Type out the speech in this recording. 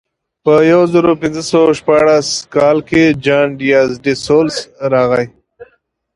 په یو زرو پینځه سوه شپاړس کال کې جان دیاز ډي سلوس راغی.